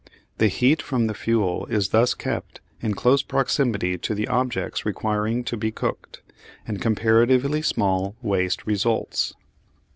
The heat from the fuel is thus kept in close proximity to the objects requiring to be cooked, and comparatively small waste results.